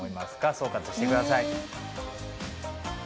総括して下さい。